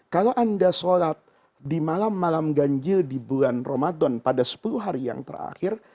kalau anda sholat di malam malam ganjil di bulan ramadan pada sepuluh hari yang terakhir